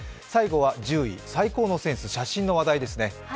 最後は１０位、最高のセンス写真のニュースですね。